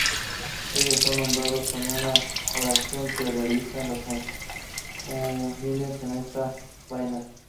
Ellos son nombrados en una oración que realizan los Huilliches en esta bahía.